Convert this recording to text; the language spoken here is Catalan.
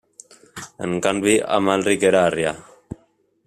En canvi, Amalric era arrià.